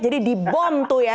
jadi dibom tuh ya